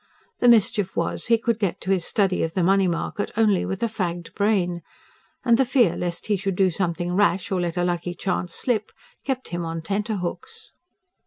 The mischief was, he could get to his study of the money market only with a fagged brain. And the fear lest he should do something rash or let a lucky chance slip kept him on tenter hooks.